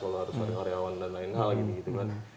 kalau harus ada karyawan dan lain hal gitu gitu kan